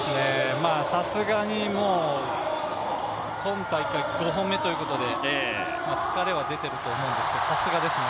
さすがにもう今大会、５本目ということで疲れは出ていると思うんですけど、さすがですね